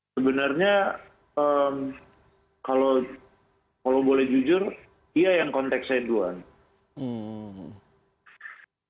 sebenarnya kalau boleh jujur dia yang kontak saya doang